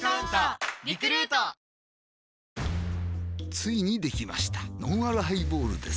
ついにできましたのんあるハイボールです